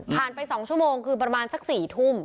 ไป๒ชั่วโมงคือประมาณสัก๔ทุ่ม